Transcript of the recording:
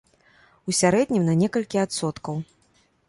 У сярэднім, на некалькі адсоткаў.